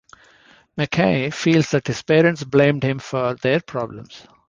McKay feels that his parents blamed him for their problems.